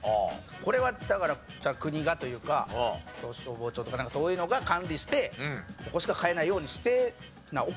これはだから国がというか消防庁とかなんかそういうのが管理してそこしか買えないようにしてなおかしいと思いますけどね。